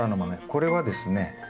これはですね